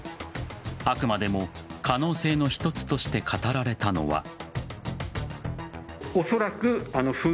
あくまでも可能性の一つとして語られたのは。